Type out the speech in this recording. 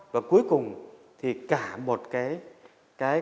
và cuối cùng thì cả một cái